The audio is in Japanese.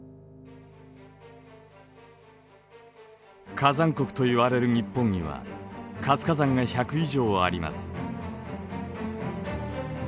火山国といわれる日本には活火山が１００以上あります。